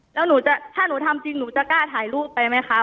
แล้วถ้าหนูทำจริงหนูจะกล้าถ่ายรูปไปไหมคะ